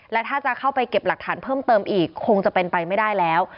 และถ้าจะเข้าไปเก็บหลักฐานเพิ่มเติมอีกคงจะเป็นไปไม่ได้แล้ว